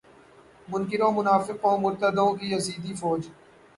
منکروں منافقوں مرتدوں کی یزیدی فوج